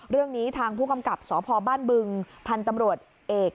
เรื่องนี้ทางผู้กำกับสพบ้านบึงพันธุ์ตำรวจเอก